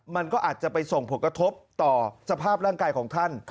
มันก็อาจจะไปส่งผลกระทบต่อสภาพร่างกายของท่าน